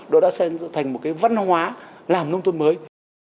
đã thành một văn hóa làm nông thôn mới